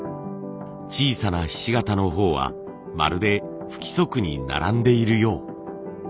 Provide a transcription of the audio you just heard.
小さな菱形の方はまるで不規則に並んでいるよう。